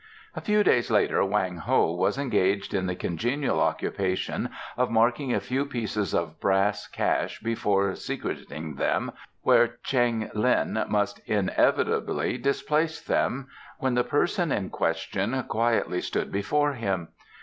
A few days later Wang Ho was engaged in the congenial occupation of marking a few pieces of brass cash before secreting them where Cheng Lin must inevitably displace them, when the person in question quietly stood before him.